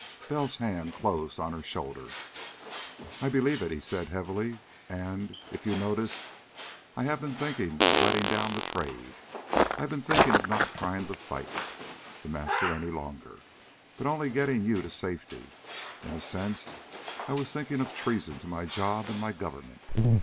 Bell's hand closed on her shoulder. "I believe it," he said heavily. "And if you noticed I had been thinking of letting down the Trade. I'd been thinking of not trying to fight The Master any longer, but only of getting you to safety. In a sense, I was thinking of treason to my job and my government.